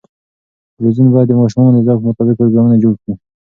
تلویزیون باید د ماشومانو د ذوق مطابق پروګرامونه جوړ کړي.